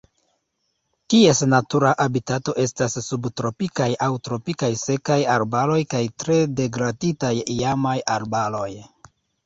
Ties natura habitato estas subtropikaj aŭ tropikaj sekaj arbaroj kaj tre degraditaj iamaj arbaroj.